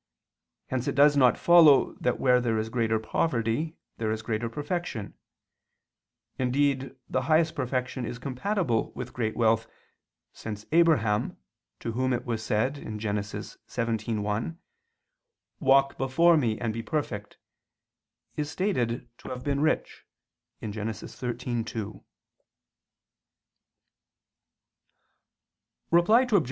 Hence it does not follow that where there is greater poverty there is greater perfection; indeed the highest perfection is compatible with great wealth, since Abraham, to whom it was said (Gen. 17:1): "Walk before Me and be perfect," is stated to have been rich (Gen. 13:2). Reply Obj.